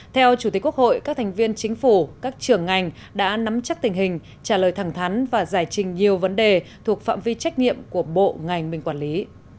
theo chủ tịch quốc hội các thành viên chính phủ các trưởng ngành đã nắm chắc tình hình trả lời thẳng thắn và giải trình nhiều vấn đề thuộc phạm vi trách nhiệm của bộ ngành mình quản lý